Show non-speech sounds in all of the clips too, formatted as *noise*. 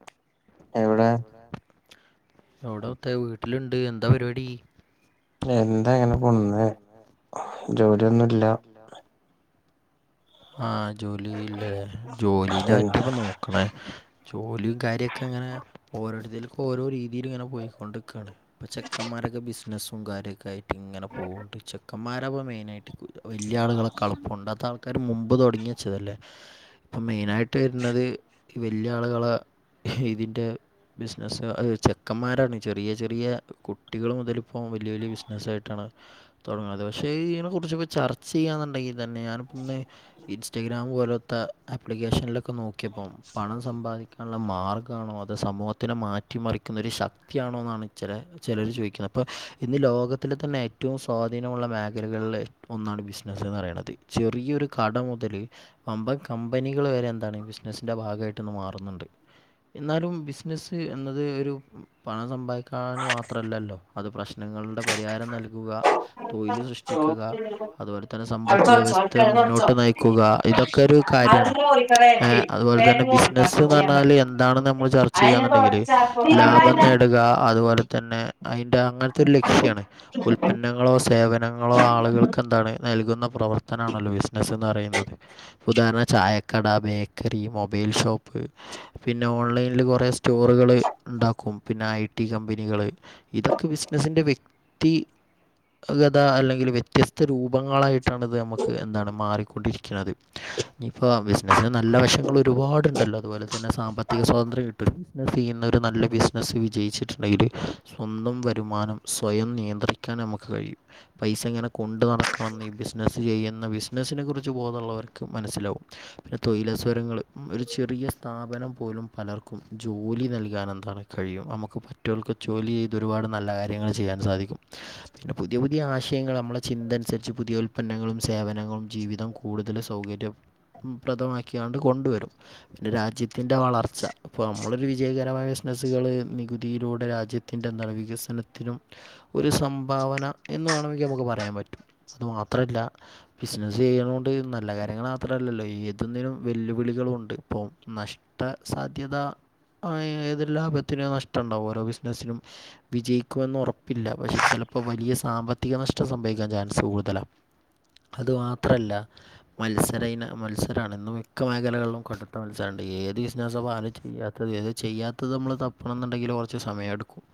അ *unintelligible* എവിടെ? എവിടെ മുത്തേ, വീട്ടിലുണ്ട്, എന്താ പരിപാടി? എന്താ ഇങ്ങനെ പോണന്ന്, ജോലിയൊന്നുല്ല. ആ ജോലില്ലേ? ജോലീല്ലായിറ്റിപ്പ നോക്ക്ണേ. ജോലിയും കാര്യൊക്കെ ഇങ്ങനെ ഓരോടുത്തേലുക്ക് ഓരോ രീതിയിലിങ്ങനെ പോയിക്കൊണ്ടിക്കുവാണ്. ഇപ്പ ചെക്കന്മാരൊക്കെ ബിസിനസ്സും കാര്യൊക്കെ ആയിട്ട് ഇങ്ങനെ പോകണ്ട്, ചെക്കന്മാരാപ്പ മെയിനായിട്ട്. വല്ല്യ ആളുകളെക്കാളുപ്പുണ്ട് അതാണ്. ക്കാർ മുമ്പ് തൊടങ്ങിവച്ചതല്ലേ ഇപ്പം മെയിനായിട്ട് വരുന്നത് ഈ വല്ല്യ ആളുകള ഇതിന്റെ ബിസിനസ്സ്, അത് ചെക്കന്മാരാണ് ചെറിയ ചെറിയ കുട്ടികള് മുതലിപ്പോ വെല്ല്യ വെല്ല്യ ബിസിനസു ആയിട്ടാണ് തുടങ്ങാ അത്, പക്ഷെ ഇതിനെ കുറിച്ചൊക്കെ ചർച്ച ചെയ്യാന്നുണ്ടെങ്കിൽ തന്നെ ഇന്ന് ഇൻസ്റ്റഗ്രാം പോലത്തെ ആപ്ലിക്കേഷനിലൊക്കെ നോക്കിയപ്പോ പണം സമ്പാദിക്ക നൊള്ള മാർഗാണോ അതൊ സമൂഹത്തിനെ മാറ്റിമറിക്കുന്നൊരു ശക്തിയാണോ എന്നാണ്. ചെല ചെലര് ചോദിക്കുന്നു അപ്പൊ ഇന്ന് ലോകത്തിലെ തന്നെ ഏറ്റവും സ്വാധീനമുള്ള മേഖലകളിൽ ഒന്നാണ് ബിസിനസ്സ് എന്ന് പറയണത്. ചെറിയൊരു കട മുതല് വമ്പൻ കമ്പനികൾ വരെ എന്താണ് ബിസിനസിന്റെ ഭാഗമായിട്ടിന്ന് മാറുന്നുണ്ട്. എന്നാലും ബിസിനസ്സ് എന്നത് ഒരു പണം സമ്പാദിക്കാൻ മാത്രല്ലല്ലോ അത് പ്രശ് ശ്നങ്ങളുടെ പരിഹാരം നൽകുക തൊഴിലു സൃഷ്ടിക്കുക അതുപോലെ തന്നെ സമ്പത്ത് വ്യവസ്ഥ മുന്നോട്ട് നയിക്കുക ഇതൊക്കെ ഒരു കാര്യാണ്, എ അതുപോലെ തന്നെ ബിസിനസ്സ് ന്ന് പറഞ്ഞാല് എന്താണെന്ന് നമ്മള് ചർച്ച ചെയ്യാന്നുണ്ടെങ്കില്, ലാഭം നേടുക അതുപോലെ തന്നെ അയിന്റെ അങ്ങനത്തെ ഒരു ലക്ഷ്യാണ് ഉൽപന്നങ്ങളോ സേവനങ്ങളോ ആളുകൾക്കെന്താണ് നൽകുന്ന പ്രവർത് ത്തനാണല്ലോ ബിസിനസ്സെന്ന് പറയുന്നത് ഉദാഹരണം ചായക്കട, ബേക്കറി, മൊബൈൽ ഷോപ്പ് പിന്നെ ഓൺലൈനില് കൊറേ സ്റ്റോറുകള് ഉണ്ടാക്കും പിന്നെ ഐ ടി കമ്പനികള് ഇതൊക്കെ ഇ ബിസിനസ്സിൻ്റെ വ്യക്തി ഗത അല്ലെങ്കിൽ വ്യത്യസ്ത രൂപങ്ങളായിട്ടാണിത് നമ്മക് ന്നാണ് മാറിക്കൊണ്ടിരിക്കണത് ഇപ്പോ ബിസിനസ്സിന് നല്ല വശങ്ങൾ ഒരുപാടുണ്ടല്ലോ അതുപോലെ തന്നെ സാമ്പത്തിക സ്വാതന്ത്ര്യം കിട്ടുവല്ലോ ബിസിനസ്സ് ചെയ്യുന്നവരു നല്ല ബിസിനസ്സ് വിജയിച്ചിട്ടുണ്ടെങ്കിൽ സ്വന്തം വരുമാനം സ്വയം നിയന്ത്രിക്കാൻ നമുക്ക് കഴിയും പൈസ ഇങ്ങനെ കൊണ്ടു നടക്കണന്നില്ല ബിസിനസ് എന്ന് ബിസിനസിനെ കുറിച്ച് ബോധോള്ളവർക്ക് മനസ്സിലാവും പിന്നെ തൊഴിലവസരങ്ങള് ഒരു ചെറിയ സ്ഥാ സ്ഥാപനം പോലും പലർക്കും ജോലി നൽകാൻ എന്താണ്, കഴിയും നമുക്ക് പറ്റിയോർക്ക് ജോലി ചെയ്ത് ഒരുപാട് നല്ല കാര്യങ്ങള് ചെയ്യാൻ സാധിക്കും, പിന്നെ പുതിയ പുതിയ ആശയങ്ങൾ നമ്മളെ ചിന്ത അനുസരിച്ച് പുതിയ നങ്ങളും സേവനങ്ങളും ജീവിതം കൂടുതല് സൗകര്യ പ്രദമാക്കിയാണ്ട് കൊണ്ടുവരും പിന്നെ രാജ്യത്തിന്റെ വളർച്ച, ഇപ്പൊ നമ്മളൊരു വിജയകരമായ ബിസിനസുകള് നികുതിയിലും കൂടെ രാജ്യത്തിന്റെ ന്തപറയാ വികസനത്തിനും ഒരു സംഭാവന എന്ന് വേണമെ ങ്കി നമ്മക്ക് പറയാൻ പറ്റും അതുമാ ത്രല്ല ബിസിനസ്സ് ചെയ്യുന്നത് കൊണ്ട് നല്ല കാര്യങ്ങൾ മാത്രമല്ലല്ലോ ഏതൊന്നിലും വെല്ലുവിളികളുണ്ട്. അപ്പൊ നഷ്ട സാധ്യത ആ ഏത് ലാഭത്തിനും നഷ്ടണ്ടാവും ഓരോ ബിസിനസിനും, വിജയിക്കുമെന്ന് ഉറപ്പില്ല പക്ഷെ ചെല പ്പോ വലിയ സാമ്പത്തിക നഷ്ടം സംഭവിക്കാൻ ചാൻസ് കൂടുതലാ. അതു മാത്രല്ല മത്സരയിന മത്സരാണ് ഇന്ന് മിക്ക മേഖലകളിലും കടുത്ത മത്സരണ്ട്, ഏ ഏത് ബിസിനസ്സപ്പാരാ ചെയ്യാത്തത്, ചെയ്യാത്തത് നമ്മൾ തപ്പണംന്നുണ്ടെങ്കിൽ കുറച്ച് സമയെടുക്കും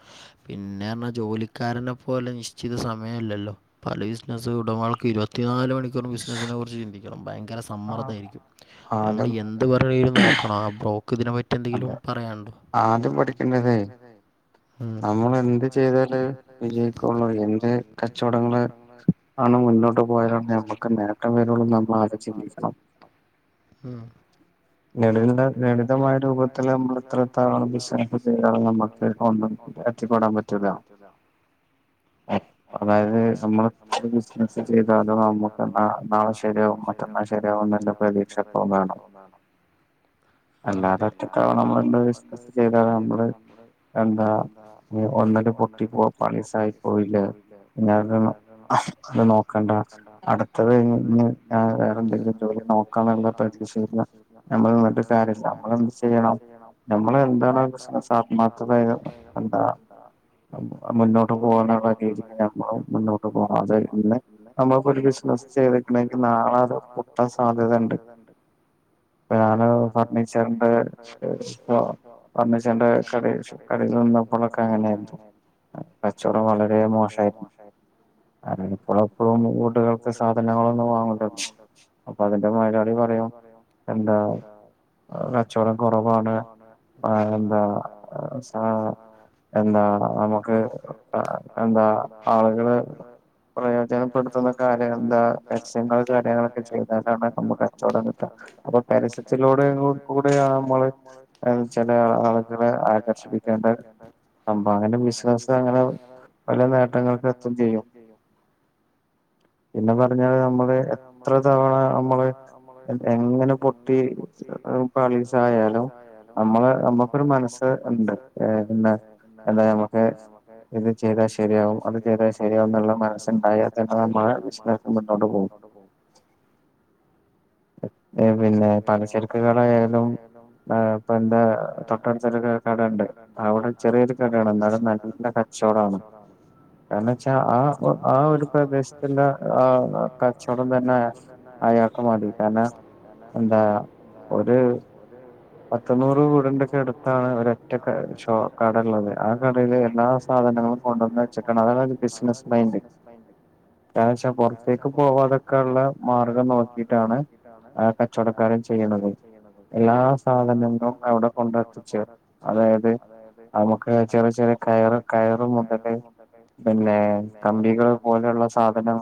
പിന്നെ പിന്നെ പറഞ്ഞാ ജോലിക്കാരനെ പോലെ നിശ്ചിത സമയല്ലല്ലോ പല ബിസിനസ് ഉടമകള് ഇരുപത്തി നാല് മണിക്കൂർ ബിസിനസിനെ കുറിച്ച് ചിന്തിക്കണം ബാങ്ക് ഭയങ്കര സമ്മർദായിരിക്കും നമ്മൾ എന്ത് പറയ്യണേലും നോക്കണം ആ പ്രോ ക്കിതിനെ പറ്റി എന്തെങ്കിലും പറയാനണ്ടോ? ഉം നമ്മളെന്ത് ചെയ്താലേ *unintelligible* എന്ത് കച്ചവടങ്ങള് ന്ന് മുന്നോട്ട് പോയാലെ നമ്മക്ക് നേട്ടം വരുള്ള് എന്ന് നമ്മളാദ്യം ചിന്തി ലളിതമായരു രൂപത്തില് നമ്മൾ ഇത്രത്തോളം വിശാലബുദ്ധികൾ നമുക്ക് ഒന്നും എത്തിപ്പെടാൻ പറ്റില്ല. *unintelligible* അതായത് നമ്മള ചെയ്ത അത് നമുക്ക് നാള ശരിയാവും മറ്റന്നാൾ ശരിയാവും എന്റെ പ്രതീക്ഷക്ക വേണം *unintelligible* അത *unintelligible* അല്ലാതെ ഇത്ര തവണമ്മണ്ട് ചെയ്ത നമ്മള് എന്താ ഒന്നട്ട പൊട്ടിപ്പോ പണിസായി പോയില് പി അല്ലെ നോക്ക *unintelligible* നക്കണ്ട അടുത്തത് ഇ വേറെന്തെങ്കിലും ജോലി നോക്കാ എന്നുള്ള പരീക്ഷയില്ല നമ്മള്ന്നിട്ട് കാര്യ നമ്മളെ ചെയ്യണം നമ്മള് എന്ത ബി ആത്മാത്രേ എന്ത മുന്നോട്ട് പോകാനുള്ള രീതിയിൽ നഞമ്മൾ മുന്നോട്ട് പോകതെ ഇന്ന് പിന്നെ നമ്മുക്ക ഒരു ബിസിനസ് ചെയ്തക്കണെക്ക് നാളെത് പൊട്ടാൻ സാധ്യത ഉണ്ട് ഇപ്പ ഞാന ഫർണിച്ചറിന്റെ വന്ന ചന്റെ കട കടയിൽ നിന്നപ്പോഴൊക്കെ അങ്ങനെയായിരുന്നു കച്ചവടം വളരെ മോശമായിരുന്നു അ ഇപ്പോള അപ്പോ എപ്പോഴും വട്ടുകൾക്ക് സാധനങ്ങളൊന്നും വാങ്ങണ്ട അപ്പൊ അതിന്റെ മലയാള പറയാം എന്താ അ *unintelligible* കച്ചവടം കുറവാണ് എന്താ എന്താ നമുക്ക് എന്താ ആളുകള്യാ പ്രജനപ്പെടുത്തുന്ന കാലയം എന്താ രസ്യങ്ങൾ കാര്യങ്ങളൊക്കെ ചെയ്താലാണ് നമുക്ക് കച്ചവടം കിട്ടുക അപ്പൊ പരസ്യത്തിലൂടെ കൂടെ കൂടെയ നമ്മള് ചില ആളുകളെ ആകർഷിക്കേണ്ട നമ്മ അങ്ങനെ ബിസിനസ് അങ്ങനെ പല നേട്ടങ്ങൾക്ക എത്തും ചെയ്യും പിന്നെ പറഞ്ഞാല് നമ്മള് എത്ര തവണ നമ്മള് എങ്ങനെ പൊട്ടി ാലും നമ്മ നക്ക മന ഇത് ചെയ്താൽ ശരിയാവുംും അത് ചെയ്താൽ ശരിയാവും എന്നുള്ള മനസ്സുണ്ടായൽ തന്ന നമകാരോട്ട പോവും പിന്നെ പലചരക്കകെ ടാലും എ തൊട്ടന ചറ കടണ്ട് അവിടെ ചെറിയൊരു കട ക നല്ല കച്ചവടമാണ് കാരണം വെച്ചാ ആ ആ ഒരു പ്രദേശത്തിലുള്ള ആ കച്ചവടം തന്നെ കേക്കമാതിട്ടാന അന്ത ഒരു ഉഹ *unintelligible* പത്ത നൂറ് കൂടിന്റെൊക്കെ അടുത്താണ് ഒ ഒറ്റ കട ഉള്ളത് ആ കടയില് എല്ലാ സാധനങ്ങളും സാധനതരിസ് പ കാരച്ച പുറത്തേക്ക് പോവാാതൊക്കെ ഉള്ള മാർഗം നോക്കിയിട്ടാണ് ട്ടാണ് ആ കച്ചവടക്കാരും ചെയ്യുന്നത് എല്ലാ സാധനങ്ങളും അവിടെ കൊണ്ടെത്തിച്ച്ു അതായത് നമുക്ക് ചെറിയ ചെറിയ കയ മുതൽ പിന്നെ കമ്പികൾ പോലുള്ള സാധങ്ങ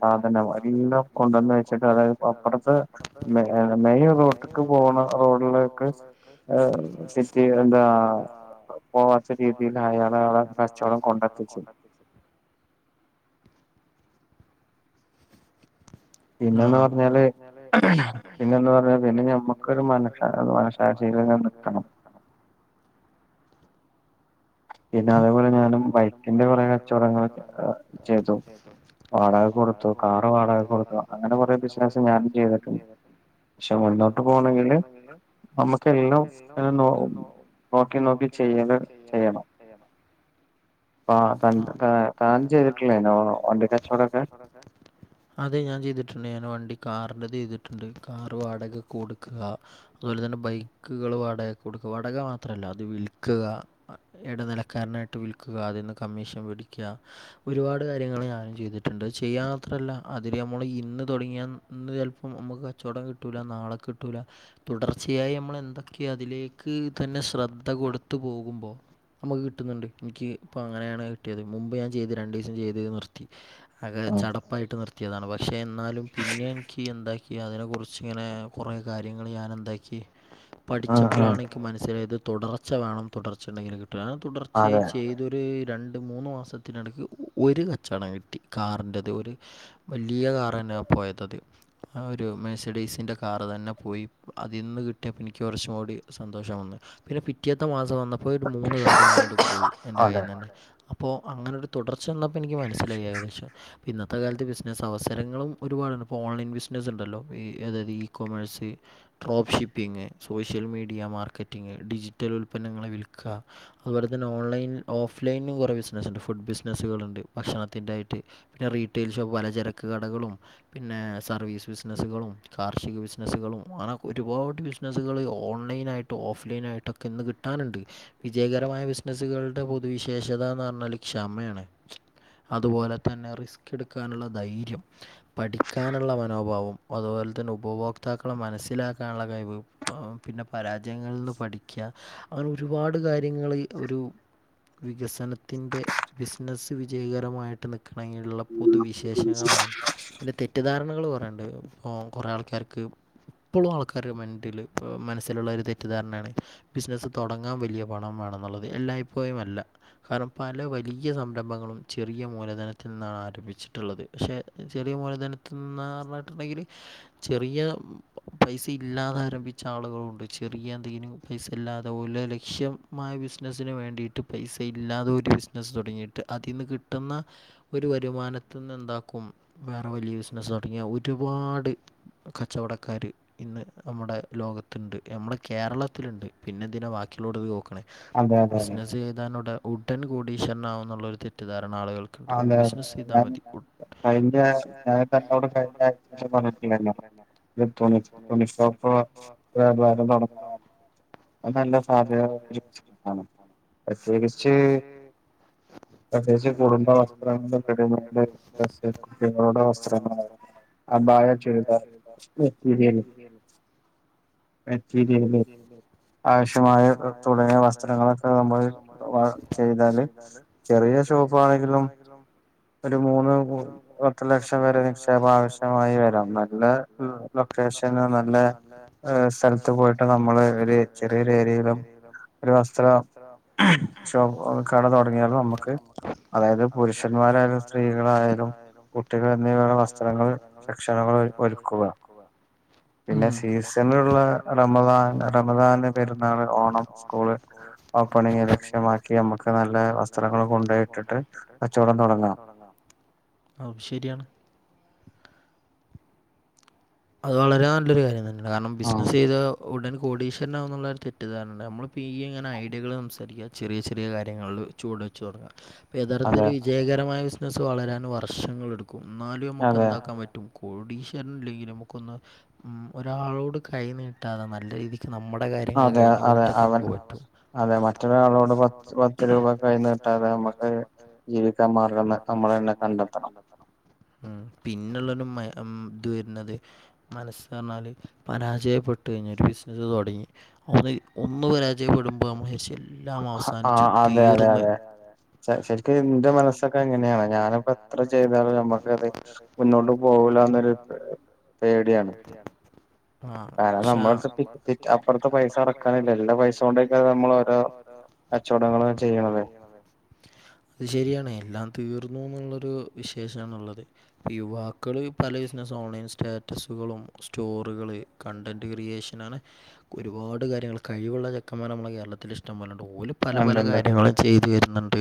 സാധനം എല്ലാം കൊണ്ടുവന്ന് വെച്ചിട്ട് അതായത് അപ്പുറത്ത് മേോ ഇത്ത പോണം റോഡിലൊക്കെ ഹ സിറ്റി എന്താ പോവാത്ത രീതിയിൽ അയാളളെ കച്ചവടം കൊണ്ട ളം കൊണ്ടത്തിച്ച *unintelligible* *unintelligible* പിന്നന്ന് പറഞ്ഞാല് പിന്നന്ന് പറഞ്ഞാ പിന്നെ ഞമ്മക്കരു മന മനശാശീര ല്ല നൽക്കണം *unintelligible* പിന്നെ അതേപോലെ ഞാനും ബൈക്കിന്റെ കുറെേ കച്ചവടങ്ങൾ ചെയ്തു വാടക കൊടുത്ത കാറ് വാടക കൊടുത്തോ അങ്ങനെ കൊറെ ബിസിന ഞാനും ചെയ്തിട്ടുണ്ട് പക്ഷെ മുന്നോട്ട് പോണമെങ്കില് നമ്മുക്ക് എല്ലാം നോ നോക്കി നോക്കി ചെയ്യല് ചെയ്യണം ചെയ്യണം ആ തൻ തൻ ചെയ്തിട്ടുള്ളേ ഒന്റെറെ കച്ചവടൊക്കെ അതെ ഞാൻ ചെയ്തിട്ടുണ്ട് ഞാൻ വണ്ടി കാറി്ന്റെ ചെയ്തിട്ടുണ്ട് കാറ് വാടകക്ക് കൊടുക്കുക അതുപോലെ തന്നെ ബൈക്കുകൾ വാടകക്ക് കൊടുക്കുക വടക മാത്രമല്ല അത് വിൽക്കുക ഇടനിലക്കാരനായിട്ട് വിൽക്കുക അതിൽ നിന്ന് കമ്മീഷൻ പിേടിക്കുക ഒരുപാട് കാര്യങ്ങൾ ഞാനും ചെയ്തിട്ടുണ്ട് ചെയ്യാൻ മാത്രമല്ല അതില് നമ്മൾ ഇന്ന് തുടങ്ങിയാ ഇന്ന് ചിലപ്പോം നമുക്ക് കച്ചവടം കിട്ടുല നാളെ കിട്ടും തുടർച്ചയായി നമ്മൾ എന്തൊക്കെയ അതിലേക്ക് തന്നെ ശ്രദ്ധ കൊടുത്തു പോകുമ്പോ നമുക്ക് കിട്ടുന്നുണ്ട് എനിക്ക് ഇപ്പ അങ്ങനെയാണ് കിട്ടിയത് മുമ്പ് ഞാൻ ചെയ്ത് രണ്ടു ദിവസം ചെയ്തത് നിർത്തി അതെചടപ്പായിട്ട് നിർത്ത എത്തിയതാണ് പക്ഷേ എന്നാലും പിന്നെ എനിക്ക് എന്താക്കി അതിനെക്കുറിച്ച് ഇങ്ങനെ കുറേ കാര്യങ്ങൾ ഞാന എന്താക്കി പഠിച്ചപ്പളാണ എനിക്ക് മനസ്സിലായത് തുടർച്ച വേണം തുടർച്ച ഉണ്ടെങ്കിലിൽ പ്പഴാതുടർച്ചയായി ചെയ്തൊരു രണ്ട് മൂന്ന മാസത്തിടക്ക് ഒരു കച്ചവടം കിട്ടി കാറിന്റെത് വലിയ കാർ തന്നെ പോയത്തത് ആ ഒരു മെഴസഡീസിൻ്റെ കാറ് തന്നെ പോയി അതിൽ നിന്ന് കിട്ടിയപ്പോൾ എനിക്ക് കുറച്ചും കൂടി സന്തോഷ വന്ന് പിന്നെ പിറ്റാത്ത മാസം വന്നപ്പോ മൂന്ന് കാറ് വീണ്ടു പോയി എൻ്റെ കയ്യിൽ നിന്ന്തന്നെ അപ്പോൾ അങ്ങനൊരു തുടർച്ച എനിക്ക് മനസ്സിലായി കദേശം ഇന്നത്തെ കാലത്ത് ബിസിനസ്സ് അവസരങ്ങളും ഒരുപാടാണ് ഇപ്പോൾ ഓൺലൈൻ ബിസിനസ്സ് ഉണ്ടല്ലോ ഈഅതായത് ഈ commerce troph shipping social media marketing digital ഉൽപന്നങ്ങളെ വിൽക്ക ക്കഅതുപോലെ തന്നെ ഓൺലൈനിൽ ഓഫലൈനും കുറെ ബിസിനസ് ഉണ്ട് ഫുഡ് ബിസിനസ്സുകളുണ്ട് ഭക്ഷണത്തിൻന്റെയിട്ട് റീ റ്റൈൽഷോപ്പ് പലചരക്ക് കടകളും പിന്നെ സർവീസ് ബിസിനസുകളും കാർഷിക ബിസിനസ്സുകളുംങ്ങനെ ഒരുപാട് ബിസിനസ്സുകൾ ഓൺലൈനായിട്ട് ഓഫ് ലൈൻ ആയിട്ട്നായിട്ടൊക്കെ ഇന്ന് കിട്ടാനുണ്ട് വിജയകരമായ ബിസിനസുകളുടെ പൊതുവിശേഷത എന്ന് പറഞ്ഞാൽ ക്ഷമയാണ് അതുപോലെ തന്നെ റിസ്ക് എടുക്കാനുള്ള ധൈര്യം പഠിക്കാനുള്ള മനോഭാവം അതുപോലെ ഉപഭോക്താക്കളെ മനസിലാക്കാനുള്ള കഴിവ് പിന്നെ പരാജയങ്ങളിൽന്ന് പഠ ഒരുപാട് കാര്യങ്ങൾ ഒരു വികസനത്തിന്റബിസിനസ്സ് വിജയകരമായിട്ടള്ള ങ്ങിലുള്ള പൊതുവിശേഷങ്ങളാണ്പിന്നെ തെറ്റ് തെറ്റിദ്ധാരണകൾ കുറേുണ്ട് ഇപ്പോൾ കുറെേ ആൾക്കാർക്ക് ഇപ്പോഴും ആൾക്കാരുടെ മൈന്റില് മനസ്സിലുള്ള ഒരു തെറ്റിദ്ധാരണയാണ് ബിസിന തുടങ്ങാൻ വലിയ പണം വേണെന്നുള്ളത് എല്ലായ്പ്പയുമല്ല കാരണം പല വലിയ സംരംഭങ്ങളും ചെറിയ ചെറിയ മൂലധനത്തിൽ നിന്നാണ് ആരംഭിച്ചിട്ടുള്ളത് പക്ഷേ ചെറിയ മൂലധനത്തിൽന്ന് പറഞ്ഞിട്ടുണ്ടെങ്കിൽ ചെറിയ പൈസ ഇല്ലാത ആരംഭിച്ച ആളുകളുണ്ട് ചെറിയ എന്തെങ്കിലും പൈസ ഇല്ലാത അതുപോലെ ലക്ഷ്യമായ ബിസിനസ്സിന് വേണ്ടിയിട്ട് പൈസ ഇല്ലാതെ ഒരു ബിസിനസ്സ് തുടങ്ങിയിട്ട് അതിൽ നിന്ന് കിട്ട കിട്ടുന്ന ഒരു വരുമാനത്തി നിന്ന് എന്താക്കും വേറെ വലിയ ബിസിനസ് തുടങ്ങ ഒരുപാട് കച്ചവടക്കാാര് ഇന്ന് നമ്മുടെ ലോകത്തുണ്ട് നമ്മുടെ കേരളത്തിലുണ്ട് പിന്നെ എന്തിനാണ് ബാക്കിയിലോട് ഇത് നോക്കണേ ബിസിനസ്സ് ചെയ്താനോട് ഉടൻ കോടീശ്വരനാവും എന്നുള്ളരു തെറ്റിധാരണ ആളുകൾ ബിസിന ചെയ്താൽ മതി അ പോന്നട്ടില്ലല്ലേ *inaudible* തുണി തുണിഷപ്പ വേപാരം നടന്ന അ നല്ല സാധ്യത ഉള്ളതാണ് പ്രത്യേകിച്ച് കത്േ പട പ *inaudible* കൂടു വസ്ത്രങ്ങ ക വസ് *inaudible* ത്രങ്ങ ആ ബായ ചെറതരി *inaudible* പച്ചി ചല്ല *inaudible* ആവശ്യമായ തുടങ്ങിയ വസ്ത്രങ്ങളെക്കെ നമ്മള് വാ ചെയ്താല് ചെറിയ ഷോപ്പ് ഷോപ്പ് ആണെങ്കിലും ഒരു മൂന്ന് പത്ത് ലക്ഷം വരെ നിക്ഷേപം ആവശ്യമായി വരാം നല്ല നിക്ഷേ സെലക്ഷനും നല്ല സ്ഥലത്ത് പോയിട്ട് നമ്മള് ഒരു ചെറിയൊരു ഏരിയ യിലും ഒരു വസ്ത്രഷോപ്പോ കട തൊ ടങ്ങിയാലോ നമുക്ക് അതായത് പുരുഷന്മാരായാലും സ്ത്രീകളായാലും കുട്ടികൾ എന്നിവയയുടെ വസ്ത്രങ്ങൾ സെക്ഷനുകളായി കളായി ഒരുക്കുക പിന്നെ സീസണുള്ള റമദാൻ റമ പ്രധാന പെരുന്നാള് ഓണം സ്കൂള് ഓപ്പണിങ്ങ് ലക്ഷ്യമാക്കി നമ്മുക്ക് നല്ല വസ്ത്രങ്ങൾ കൊണ്ട് കൊണ്ടേയിട്ടിട്ടു കച്ചവടം തൊ ടങ്ങാം അതും ശരിയാണ് അത് വളരെ നല്ലൊരു കാര്യം തന്നെയാണ് കാരണം ബിസിനസ്സ് ചെയ്താ ഉടൻ കോടീശ്വരനാവുന്നൊള്ള തെറ്റി ദ്ധാരണയൊണ്ട് നമ്മള് പെയെ ഇങ്ങനെ ഐഡിയകള് സംസാരിക്കുക ചെറിയ ചെറിയ കാര്യങ്ങളിൽ കൊറച്ചുടെ വെച്ചു തൊടങ്ങുക യഥർത്ഥത്തിൽ വിജയകരമായ ബിസിനസ്സ് വളരാൻ വർഷങ്ങളെടുക്കും എന്നാലും നമുക്ക് എന്താക്കാൻ പറ്റും കോടീശ്വരൻ അല്ലെങ്കിലും നമുക്കൊന്ന് ഉം ഒരാളോട് കൈ നീട്ടാതെ നല്ല രീതി നമ്മടെ കാര്യങ്ങളെക്കെ കഴിഞ്ഞ് പോയിട്ടൊക്കെ നമുക്ക് പറ്റും അതെ മറ്റൊരാളോട് പത്ത് പത്ത് രൂപ കൈനീട്ടാതെ നമ്മക്ക് ജീവിക്കാൻ മാർഗ്ഗല്ലേ നമ്മള് നമ്മള് തന്നെ കണ്ടെത്തണം ഉം പിന്നെഉള്ളൊരു മ ഇതു വരു മനസ് പറഞ്ഞാല് പരാജയപ്പെട്ടു കഴിഞ്ഞാ ഒരു ബിസിനസ് തൊ ടങ്ങി അത് ഒന്നു പരാജയപ്പെടുമ്പോ നമ്മുക്ക് രക്ഷയില്ല ആ അതെ അതെ അതെ ശരിക്കും എന്റെ മനസ്സൊക്കെ അങ്ങനെയാണ് ഞാനിപ്പോ എത്ര ചെയ്താലും നമ്മക്കത് മുന്നോട്ട് പോ പോവുലാന്നൊരു പേടിയാണ് ആ പക്ഷേ നമ്മക്ക് *unintelligible* അപ്പത്തെ പൈസ അടക്കാനില്ല എല്ലാ പൈസ കൊണ്ടേക്കയാ നമ്മള് ഓരോ കച്ചവടങ്ങള് ചെയ്യണത് അത് ശരിയാണ് എല്ലാം തീർ ർന്നുന്നൊള്ളൊരു വിശേഷമാണു ള്ളത് യുവാക്കള് പല ബിസിനസും ഓൺലൈനിൽ സ്റ്റാറ്റ റ്റസുകളും സ്റ്റോറികള് കണ്ടന്റ് ക്രിയേഷനാണ് ഒരുപാട് കാര്യങ്ങള് കഴിവുള്ള ചെ ക്കമാര് നമ്മടെ കേരളത്തി ഇഷ്ട പോലൊണ്ട് ഓല് പല പല കാര്യങ്ങളും ചെയ്തു വരുന്നുണ്ട്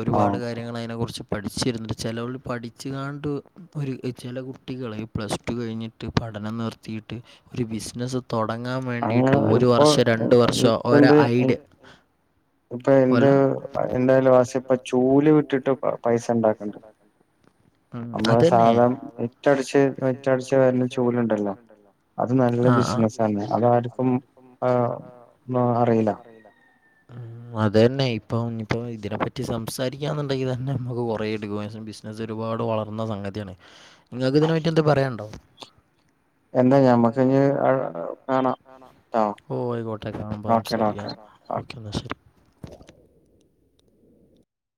ഒരുപാട് കാര്യങ്ങള് അതിനെക്കുറിച്ച് പഠിച്ചുവരുന്നുണ്ട് ചെലവൾ പഠിച്ചുകാണ്ട് ഒരു ചെല കുട്ടികളെ പ്ലസ് ടു പഠിപ്പ്കഴിഞ്ഞിട്ട് പഠനം നിർത്തിയിട്ട് ഒരു ബിസിനസ്സ് തൊടങ്ങാൻ വേണ്ടിയിട്ട് ഒരു വർഷം രണ്ടു വർഷം ഒര് ഐഡിയ ഇപ്പൊ എന്ത് എന്തായാലും ആശ ഇപ്പോ ചൂല് വിറ്റിട്ട് പൈസ ഉ ണ്ടാക്കണുണ്ട് നമ്മള് സാധനം മിറ്റടിച്ച് മിറ്റടിച്ചു മിറ്റം അടിച്ചു വാരുന്ന ചൂലുണ്ടല്ലോ ആ ആ ബിസിനസാണ് അതാർക്കും ആ അറിയില്ല അത് തന്നെ ഇപ്പൊ ഇപ്പം ഇതിനെപ്പറ്റി സംസാരിക്കാന്നുണ്ടെങ്കിൽ തന്നെ നമ്മുക്ക് കൊറെ ഡിവൈൻസും ബിസിനസും ഇത് ഒരുപാട് വളർന്ന സംഗതിയാണേ നിങ്ങൾക്ക് ഇതിനെ പറ്റി എന്തെ പറയാനുണ്ടോ എന്താ ഞമ്മക്ക്ഇനി കാണാംട്ടോ ഓ ആയിക്കോട്ടേ കാണുമ്പോ സംസാരിക്കാം ഓക്കെ എന്നാൽ ശരി